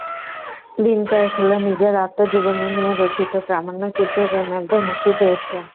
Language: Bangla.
দিন কয়েক হলো নিজের আত্মজীবনী নিয়ে রচিত প্রামাণ্যচিত্র রোনালদো মুক্তি পেয়েছে।